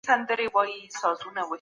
کرنیز سیستم باید عصري او معیاري سي.